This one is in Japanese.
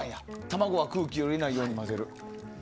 卵は空気を入れないように混ぜる。